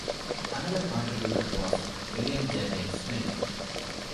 Another contributor was William Jardine Smith.